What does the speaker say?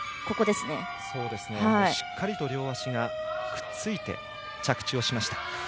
しっかりと両足がくっついて着地しました。